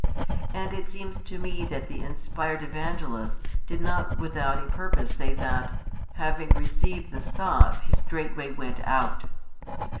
And it seems to me that the inspired Evangelist did not without a purpose say that, having received the sop, he straightway went out.